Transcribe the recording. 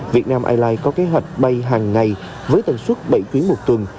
việt nam airlines có kế hoạch bay hàng ngày với tần suất bảy chuyến một tuần